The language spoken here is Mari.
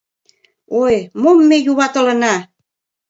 Ой, мом ме юватылына!